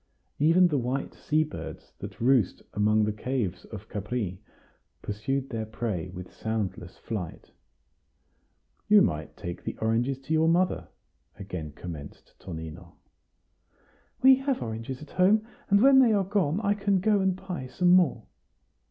Even the white sea birds that roost among the caves of Capri pursued their prey with soundless flight. "You might take the oranges to your mother," again commenced Tonino. "We have oranges at home; and when they are gone, I can go and buy some more."